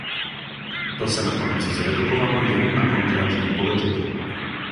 To se nakonec zredukovalo jen na konkrétní politiky.